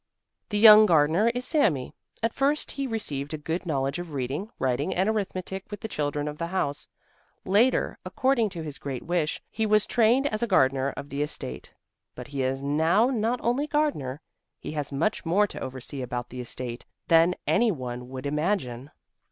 The young gardener is Sami. At first he received a good knowledge of reading, writing and arithmetic with the children of the house; later, according to his great wish, he was trained as a gardener of the estate. But he is now not only gardener, he has much more to oversee about the estate than any one would imagine.